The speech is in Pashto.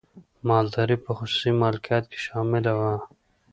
مالداري په خصوصي مالکیت کې شامله وه.